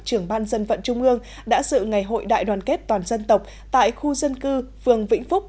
trưởng ban dân vận trung ương đã sự ngày hội đại đoàn kết toàn dân tộc tại khu dân cư phường vĩnh phúc